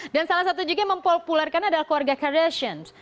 dan salah satu juga mempopularkan adalah keluarga kardashians